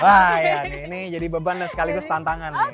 wah ya ini jadi beban dan sekaligus tantangan nih